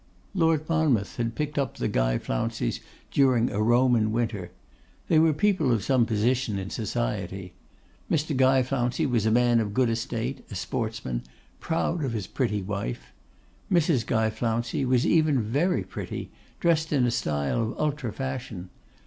Lord Monmouth had picked up the Guy Flounceys during a Roman winter. They were people of some position in society. Mr. Guy Flouncey was a man of good estate, a sportsman, proud of his pretty wife. Mrs. Guy Flouncey was even very pretty, dressed in a style of ultra fashion.